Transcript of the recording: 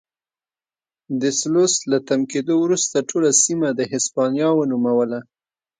ډي سلوس له تم کېدو وروسته ټوله سیمه د هسپانیا ونوموله.